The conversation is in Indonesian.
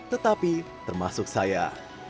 tetapi termasuk saya